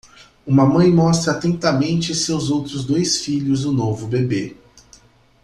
Uma mãe mostra atentamente seus outros dois filhos o novo bebê